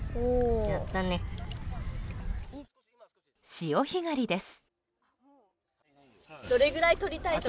潮干狩りです。